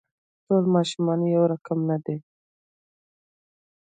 ټول ماشومان يو رقم نه دي.